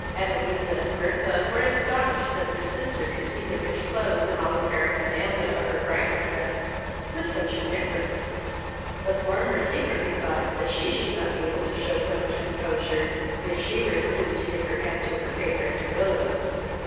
Edeliza and Bertha were astonished that their sister could see the rich clothes, and all the paraphernalia of her bridal dress, with such indifference. The former secretly thought she should not be able to shew so much composure if she were as soon to give her hand to her favourite De Willows.